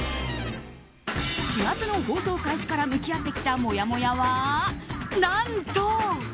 ４月の放送開始から向き合ってきたもやもやは何と。